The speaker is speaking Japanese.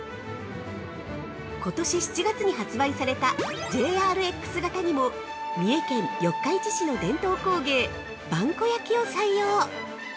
ことし７月に発売されたＪＲＸ型にも三重県四日市市の伝統工芸萬古焼を採用。